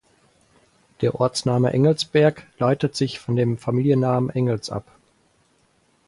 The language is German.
Der Ortsname "Engelsberg" leitet sich von dem Familiennamen Engels ab.